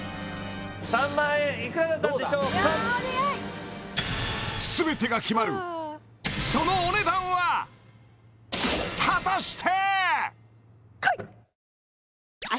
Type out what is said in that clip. ３００００円いくらだったでしょうかいやお願い全てが決まるそのお値段は果たして？